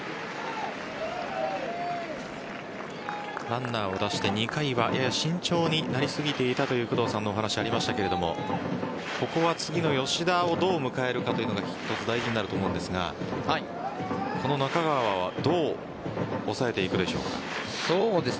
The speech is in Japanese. ランナーを出して、２回は慎重になりすぎていたという工藤さんのお話がありましたがここは次の吉田をどう迎えるかというのが一つ大事になると思うんですがこの中川はどう抑えていくでしょうか？